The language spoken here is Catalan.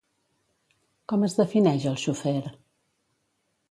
Com es defineix el xofer?